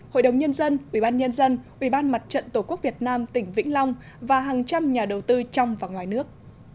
hội đồng nhân dân ubnd tổ quốc việt nam tỉnh vĩnh long và hàng trăm nhà đầu tư trong và ngoài nước